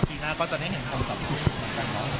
ปีหน้าก็จะได้เห็นความต่ำจุดจุดเหมือนกัน